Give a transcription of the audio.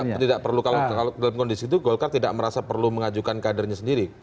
golka tidak perlu dalam kondisi itu golka tidak merasa perlu mengajukan kadernya sendiri